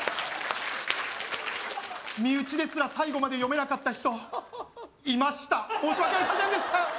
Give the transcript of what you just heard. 身内ですら最後まで読めなかった人いました申し訳ありませんでした！